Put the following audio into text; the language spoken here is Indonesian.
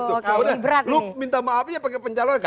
udah lu minta maaf ya pakai pencalonnya